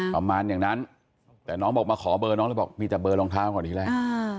ประมาณอย่างนั้นแต่น้องบอกมาขอเบอร์น้องแล้วบอกมีแต่เบอร์รองเท้าก่อนทีแรก